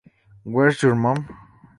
Where's your mom?